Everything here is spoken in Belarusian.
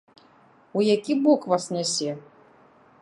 У які бок вас нясе?